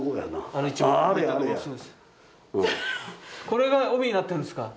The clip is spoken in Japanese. これが帯になってるんですか。